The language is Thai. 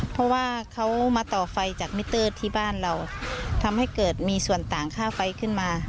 เพราะว่าเขามาต่อไฟจากมิเตอร์ที่บ้านเราทำให้เกิดมีส่วนต่างค่าไฟขึ้นมา